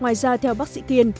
ngoài ra theo bác sĩ kiên